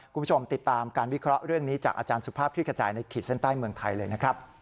คุณผู้ชมติดตามการวิเคราะห์เรื่องนี้จากอาจารย์สุภาพคลิกระจายในขีดเส้นใต้เมืองไทยเลยนะครับ